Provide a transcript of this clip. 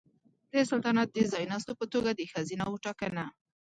د سلطنت د ځایناستو په توګه د ښځینه وو ټاکنه